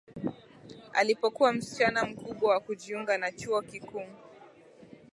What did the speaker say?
Alipokuwa msichana mkubwa wa kujiunga na chuo kikuu